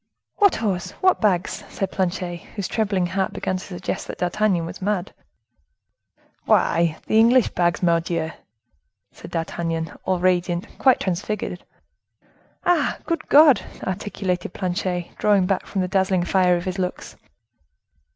"What horse? What bags?" said Planchet, whose trembling heart began to suggest that D'Artagnan was mad. "Why, the English bags, Mordioux!" said D'Artagnan, all radiant, quite transfigured. "Ah! good God!" articulated Planchet, drawing back before the dazzling fire of his looks.